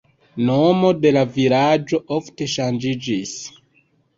Nomo de la vilaĝo ofte ŝanĝiĝis.